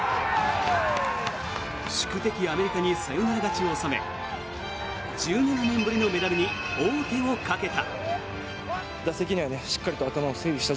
宿敵アメリカにサヨナラ勝ちを収め１７年ぶりのメダルに王手をかけた。